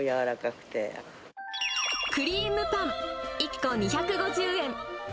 クリームパン１個２５０円。